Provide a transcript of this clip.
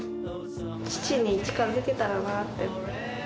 父に近づけたらなって思う。